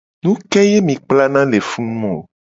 Nu ke ye mi kplana le funu o?